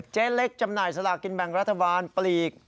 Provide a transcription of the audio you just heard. เจ๊เล็กจำหน่ายสลากินแบ่งรัฐบาลปลีก